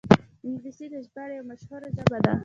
انګلیسي د ژباړې یوه مشهوره ژبه ده